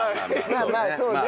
まあまあそうね。